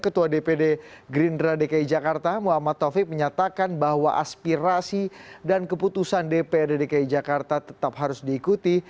ketua dpd gerindra dki jakarta muhammad taufik menyatakan bahwa aspirasi dan keputusan dprd dki jakarta tetap harus diikuti